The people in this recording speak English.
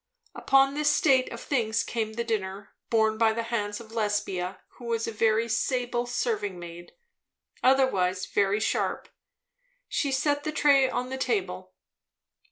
Upon this state of things came the dinner, borne by the hands of Lesbia, who was a very sable serving maid; otherwise very sharp. She set the tray on the table.